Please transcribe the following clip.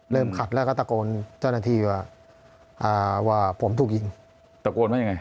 เริ่มขัดแล้วก็ตะโกนเจ้าหน้าที่ว่าอ่าว่าผมถูกยิงตะโกนไหมยังไง